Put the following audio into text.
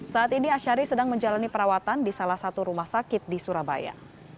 saat ini asyari sedang menjalani perawatan di salah satu rumah sakit di surabaya